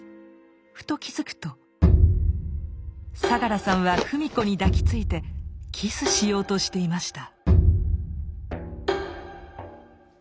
ふと気付くと相良さんは芙美子に抱きついてキスしようとしていました。